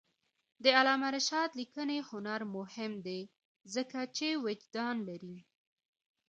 د علامه رشاد لیکنی هنر مهم دی ځکه چې وجدان لري.